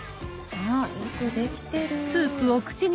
あっよく出来てる。